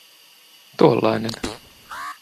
Tuollainen.